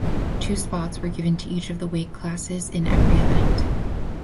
Two spots were given to each of the weight classes in every event.